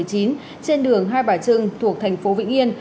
trên đường hai bà trưng thuộc thành phố vĩnh yên